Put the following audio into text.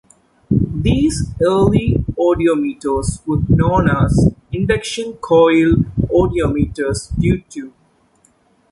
These early audiometers were known as induction-coil audiometers due to...